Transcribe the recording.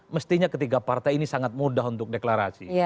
mestinya ketiga partai ini sangat mudah untuk deklarasi